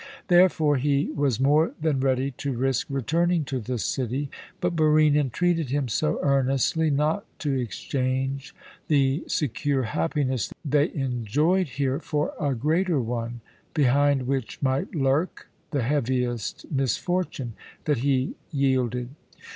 Therefore he was more than ready to risk returning to the city, but Barine entreated him so earnestly not to exchange the secure happiness they enjoyed here for a greater one, behind which might lurk the heaviest misfortune, that he yielded.